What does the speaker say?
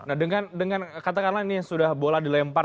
nah dengan katakanlah ini sudah bola dilempar